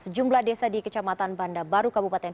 sejumlah desa di kecamatan banda baru kabupaten